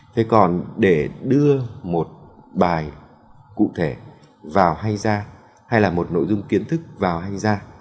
thế còn để đưa một bài cụ thể vào hay da hay là một nội dung kiến thức vào hay da